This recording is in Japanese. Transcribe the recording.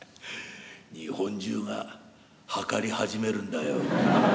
日本中が測り始めるんだよ」。